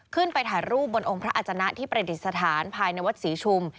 ขึ้นไปถ่ายรูปบนองค์พระอาจนะที่ประดิษฐานภายในวัดศรีชุม